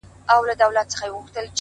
بيا دادی پخلا سوه -چي ستا سومه-